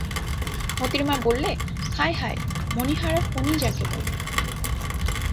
মোতির মা বললে, হায় হায়, মণিহারা ফণী যাকে বলে।